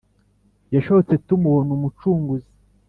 Yashotse tumubona umucunguzi